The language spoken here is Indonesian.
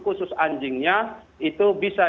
khusus anjingnya itu bisa